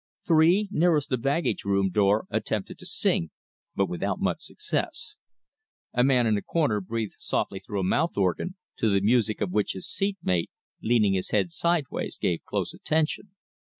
Three nearest the baggage room door attempted to sing, but without much success. A man in the corner breathed softly through a mouth organ, to the music of which his seat mate, leaning his head sideways, gave close attention.